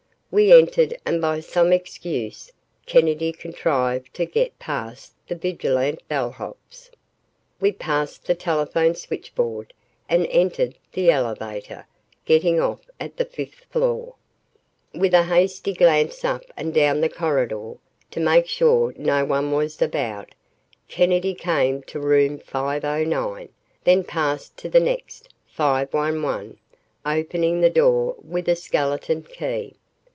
We entered and by some excuse Kennedy contrived to get past the vigilant bellhops. We passed the telephone switchboard and entered the elevator, getting off at the fifth floor. With a hasty glance up and down the corridor, to make sure no one was about, Kennedy came to room 509, then passed to the next, 511, opening the door with a skeleton key.